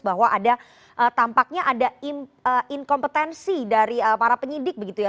bahwa ada tampaknya ada inkompetensi dari para penyidik begitu ya